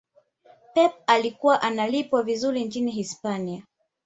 pep alikuwa analipwa vizuri nchini hispania